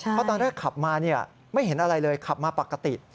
เพราะตอนแรกขับมาไม่เห็นอะไรเลยขับมาปกติ